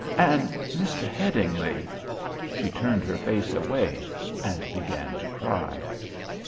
And Mr. Headingly ," she turned her face away and began to cry.